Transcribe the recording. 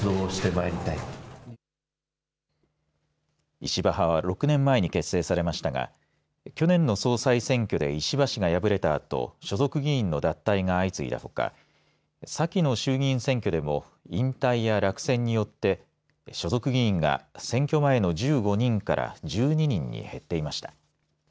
石破派は６年前に結成されましたが去年の総裁選挙で石破派が敗れたあと所属議員の脱退が相次いだほか先の衆議院選挙でも引退や落選によって所属議員が選挙前の１５人から１２人に減っていました。